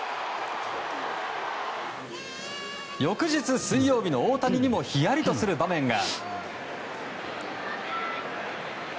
翌日、水曜日の大谷にもヒヤリとする場面が。